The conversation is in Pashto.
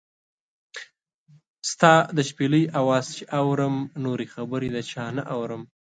ستا د شپېلۍ اواز چې اورم، نورې خبرې د چا نۀ اورم